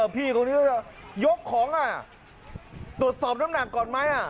พี่ครับยกของตรวจสอบน้ำหนักก่อนไหม